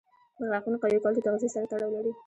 د غاښونو قوي کول د تغذیې سره تړاو لري.